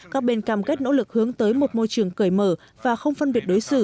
các bên cam kết nỗ lực hướng tới một môi trường cởi mở và không phân biệt đối xử